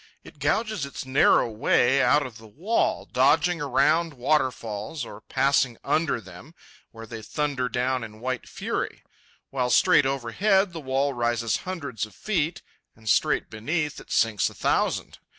It gouges its narrow way out of the wall, dodging around waterfalls or passing under them where they thunder down in white fury; while straight overhead the wall rises hundreds of feet, and straight beneath it sinks a thousand.